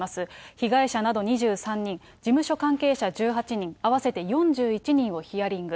被害者など２３人、事務所関係者１８人、合わせて４１人をヒアリング。